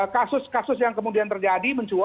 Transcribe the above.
kasus kasus yang kemudian terjadi